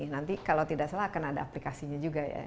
nanti kalau tidak salah akan ada aplikasinya juga ya